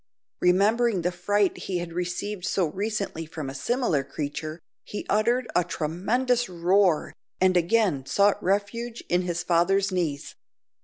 Remembering the fright he had received so recently from a similar creature, he uttered a tremendous roar, and again sought refuge in his father's knees.